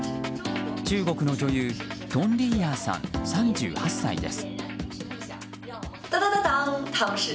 中国の女優トン・リーヤーさん、３８歳です。